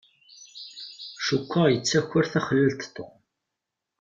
Cukkeɣ yettaker taxlalt Tom.